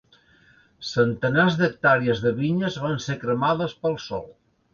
Centenars d’hectàrees de vinyes van ser cremades pel sol.